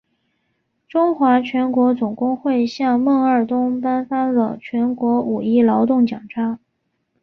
中华全国总工会向孟二冬颁发了全国五一劳动奖章。